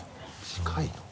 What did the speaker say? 近いの？